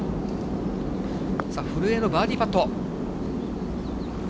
古江のバーディーパット。